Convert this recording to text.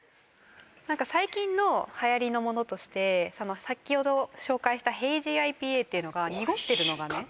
何か最近のはやりのものとして先ほど紹介したヘイジーＩＰＡっていうのが濁ってるのがね